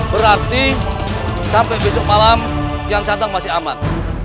berarti sampai besok malam kian santang masih aman